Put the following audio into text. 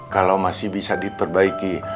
kalau masih bisa diperbaiki